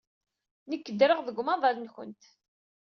Nekk ddreɣ deg umaḍal-nwent.